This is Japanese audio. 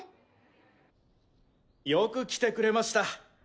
よく来てくれました。